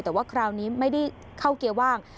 แต่ว่าคราวนี้ไม่ได้เข้าเกียร์ว่าง